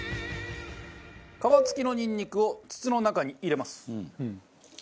皮付きのニンニクを筒の中に入れます。